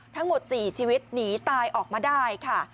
ทั้งหมด๔ชีวิตหนีตายออกมาได้ค่ะ